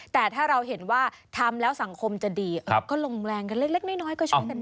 แต่ถ้าเราเห็นว่าทำแล้วสังคมจะดีก็ลงแรงกันเล็กน้อยก็ช่วยกันได้